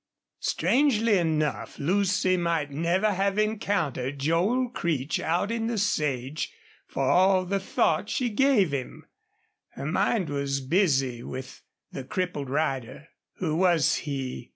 Strangely enough, Lucy might never have encountered Joel Creech out in the sage, for all the thought she gave him. Her mind was busy with the crippled rider. Who was he?